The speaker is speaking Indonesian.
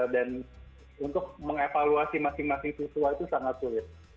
dan untuk mengevaluasi masing masing siswa itu sangat sulit